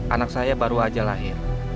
anak saya baru aja lahir